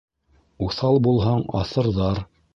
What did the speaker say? Уҫал булһаң, аҫырҙар;